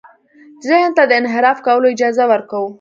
ذهن ته د انحراف کولو اجازه ورکوو.